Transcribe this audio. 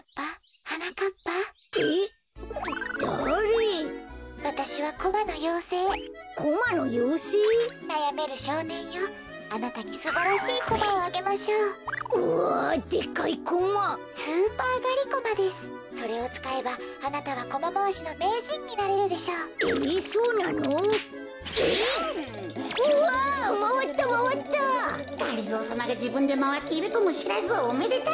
こころのこえがりぞーさまがじぶんでまわっているともしらずおめでたいってか。